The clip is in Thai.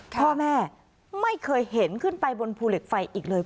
พ่อแม่ไม่เคยเห็นขึ้นไปบนภูเหล็กไฟอีกเลย